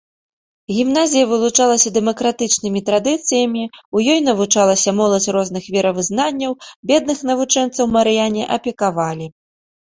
Гімназія вылучалася дэмакратычнымі традыцыямі, у ёй навучалася моладзь розных веравызнанняў, бедных навучэнцаў марыяне апекавалі.